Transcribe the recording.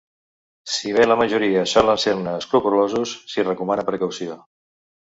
Si bé la majoria solen ser-ne escrupolosos, s'hi recomana precaució.